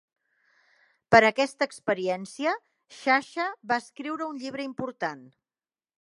Per aquesta experiència, Sciascia va escriure un llibre important.